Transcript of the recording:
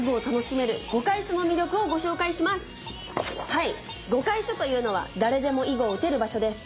はい碁会所というのは誰でも囲碁を打てる場所です。